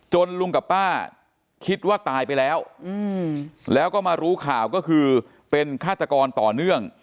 ลุงกับป้าคิดว่าตายไปแล้วแล้วก็มารู้ข่าวก็คือเป็นฆาตกรต่อเนื่อง